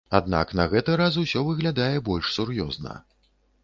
Аднак на гэты раз усё выглядае больш сур'ёзна.